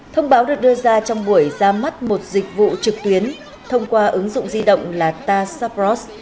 thông báo được đưa ra trong buổi ra mắt một dịch vụ trực tuyến thông qua ứng dụng di động là ta supross